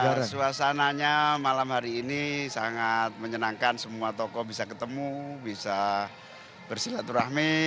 biar suasananya malam hari ini sangat menyenangkan semua tokoh bisa ketemu bisa bersilaturahmi